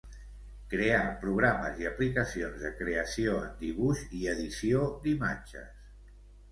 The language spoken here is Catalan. Crear programes i aplicacions de creació en dibuix i edició d'imatges.